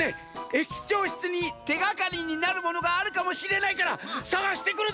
駅長しつにてがかりになるものがあるかもしれないからさがしてくるざんす！